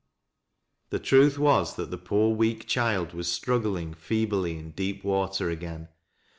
The truth was that the poor weak child was struggling feebly in deep water again.